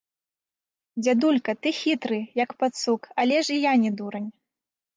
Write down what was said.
Дзядулька, ты хітры, як пацук, але ж і я не дурань.